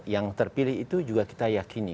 yang terpilih itu juga kita yakini